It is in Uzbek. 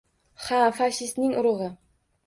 Ha, fashistning urug`i